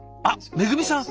めぐみさん